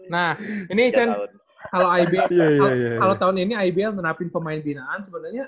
nah ini chen kalau tahun ini ibl menerapin pemain binaan sebenarnya